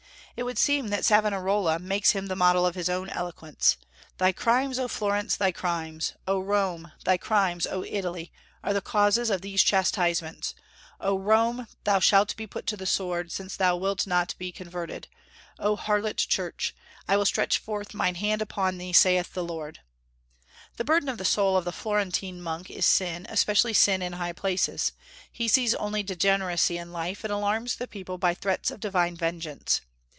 It would seem that Savonarola makes him the model of his own eloquence. "Thy crimes, O Florence! thy crimes, O Rome! thy crimes, O Italy! are the causes of these chastisements. O Rome! thou shalt be put to the sword, since thou wilt not be converted! O harlot Church! I will stretch forth mine hand upon thee, saith the Lord." The burden of the soul of the Florentine monk is sin, especially sin in high places. He sees only degeneracy in life, and alarms the people by threats of divine vengeance.